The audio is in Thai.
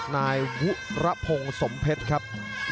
นายวุระพงศ์สมเพชรครับ